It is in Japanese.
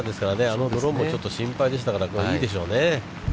あのドローもちょっと心配でしたから、いいでしょうね。